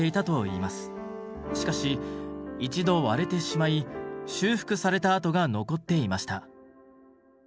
しかし一度割れてしまい修復された跡が残っていました。